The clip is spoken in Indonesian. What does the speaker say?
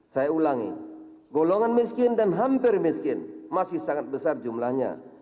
saya ulangi golongan miskin dan hampir miskin masih sangat besar jumlahnya